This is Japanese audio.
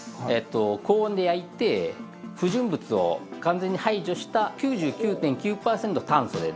高温で焼いて不純物を完全に排除した９９．９パーセント炭素でできてます。